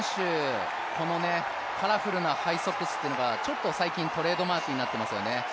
カラフルなハイソックスというのが最近、トレードマークになってますよね。